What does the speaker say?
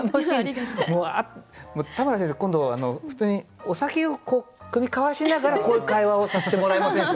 田村先生今度普通にお酒を酌み交わしながらこういう会話をさせてもらえませんか？